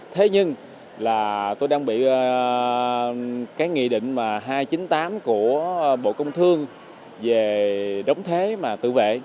thế nhưng là tôi đang bị cái nghị định mà hai trăm chín mươi tám của bộ công thương về đóng thế mà tự vệ